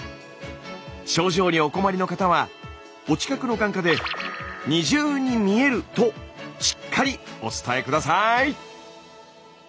症状にお困りの方はお近くの眼科で「２重に見える！」としっかりお伝え下さい。